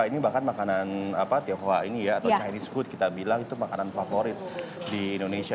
ini bahkan makanan tionghoa ini ya atau chinese food kita bilang itu makanan favorit di indonesia